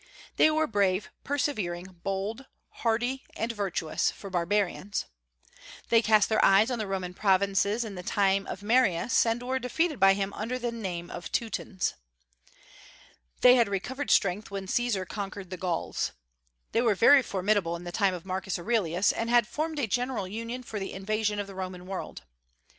They were brave, persevering, bold, hardy, and virtuous, for barbarians. They cast their eyes on the Roman provinces in the time of Marius, and were defeated by him under the name of Teutons. They had recovered strength when Caesar conquered the Gauls. They were very formidable in the time of Marcus Aurelius, and had formed a general union for the invasion of the Roman world.